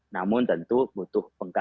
namun tentu butuh pengkajian